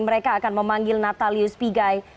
mereka akan memanggil natalius pigai